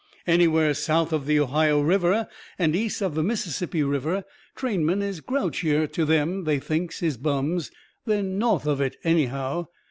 Anywheres south of the Ohio River and east of the Mississippi River trainmen is grouchier to them they thinks is bums than north of it, anyhow.